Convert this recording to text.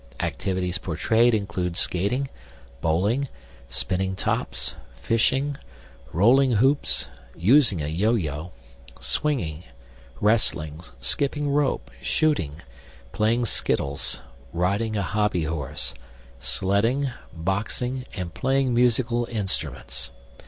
Activities portrayed include skating, bowling, spinning tops, fishing, rolling hoops, using a yo yo, swinging, wrestling, skipping rope, shooting, playing skittles, riding a hobby horse, sledding, boxing, and playing musical instruments.